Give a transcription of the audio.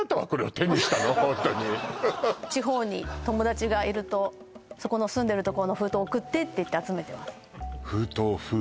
地方に友達がいるとそこの住んでるところの封筒送ってっていって集めてます